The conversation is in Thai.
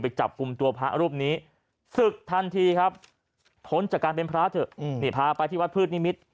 จับกลุ่มตัวพระรูปนี้ศึกทันทีครับพ้นจากการเป็นพระเถอะนี่พาไปที่วัดพืชนิมิตร